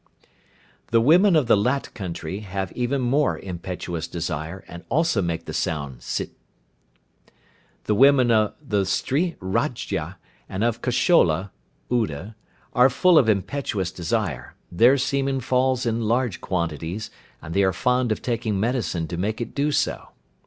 The women of the Lat country have even more impetuous desire, and also make the sound "Sit." The women of the Stri Rajya, and of Koshola (Oude), are full of impetuous desire, their semen falls in large quantities, and they are fond of taking medicine to make it do so.